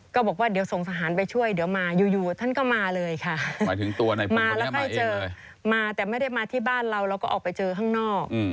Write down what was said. ก็บอกว่าเดี๋ยวส่งสหารไปช่วยเดี๋ยวมาอยู่ท่านก็มาเลยค่ะมาแล้วใครเจอมาแต่ไม่ได้มาที่บ้านเราเราก็ออกไปเจอข้างนอก